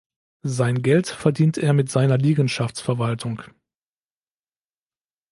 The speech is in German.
Sein Geld verdient er mit seiner Liegenschaftsverwaltung.